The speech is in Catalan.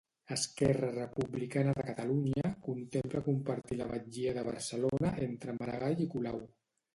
Esquerra Republicana de Catalunya contempla compartir la batllia de Barcelona entre Maragall i Colau